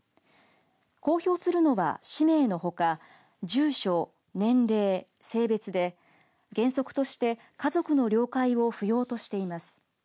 公表するのは、氏名のほか住所、年齢、性別で原則として家族の了解を不要としています。